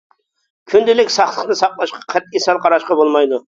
كۈندىلىك ساقلىقنى ساقلاشقا قەتئىي سەل قاراشقا بولمايدۇ.